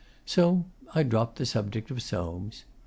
So I dropped the subject of Soames.